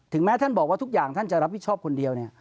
แม้ท่านบอกว่าทุกอย่างท่านจะรับผิดชอบคนเดียวเนี่ย